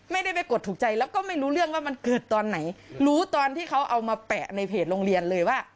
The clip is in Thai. ไม่ได้ไปกดถูกใจแล้วก็ไม่รู้เรื่องว่ามันเกิดตอนไหนรู้ตอนที่เขาเอามาแปะในเพจโรงเรียนเลยว่า